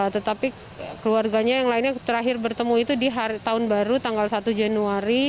tetapi keluarganya yang lainnya terakhir bertemu itu di tahun baru tanggal satu januari